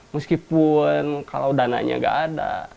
meskipun kalau dananya nggak ada